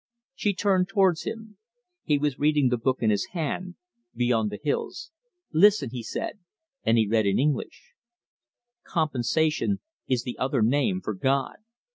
She turned towards him. He was reading the book in his hand 'Beyond the Hills'. "Listen," he said, and he read, in English: "'Compensation is the other name for God.